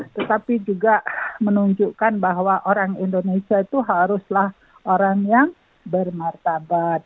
tetapi juga menunjukkan bahwa orang indonesia itu haruslah orang yang bermartabat